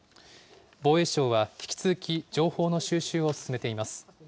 防衛省は引き続き、情報の収集を進めています。